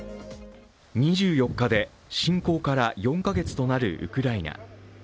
２４日で侵攻から４カ月となるウクライナ。